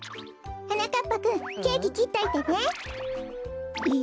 はなかっぱくんケーキきっといてね。